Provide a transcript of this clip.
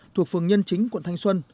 thuộc phường nhân chính quận thanh xuân